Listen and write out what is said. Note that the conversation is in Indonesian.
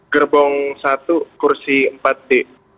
gerbong satu kursi empat d